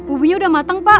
ubinya sudah matang pak